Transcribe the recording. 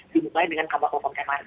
dibutuhkan dengan kabar kompenar